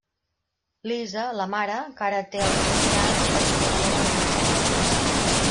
Lisa, la mare, que ara que té els fills grans, es gradua a la universitat.